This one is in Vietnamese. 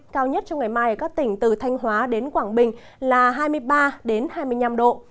cao nhất trong ngày mai ở các tỉnh từ thanh hóa đến quảng bình là hai mươi ba hai mươi năm độ